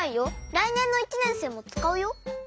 らいねんの１ねんせいもつかうよ。